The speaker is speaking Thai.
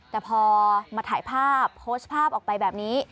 แต่พอมาถ่ายภาพโพสต์ภาพออกไปแบบนี้